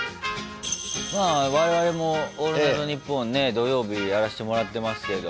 まあ我々も「オールナイトニッポン」ね土曜日やらせてもらってますけど。